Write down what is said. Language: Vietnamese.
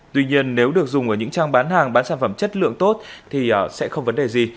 tuy nhiên nếu được dùng ở những trang bán hàng bán sản phẩm chất lượng tốt thì sẽ không vấn đề gì